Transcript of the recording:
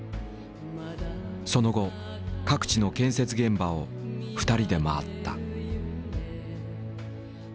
その後各地の建設現場を２人で回った。